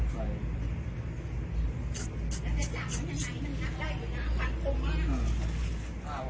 เมื่อกี๊สวัสดีทุกคน